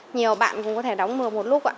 nhiều bạn cũng có thể đóng được một lúc ạ